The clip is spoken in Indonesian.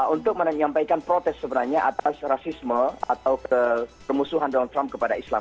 untuk menyampaikan protes sebenarnya atas rasisme atau permusuhan donald trump kepada islam